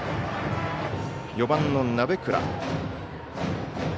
４番の鍋倉。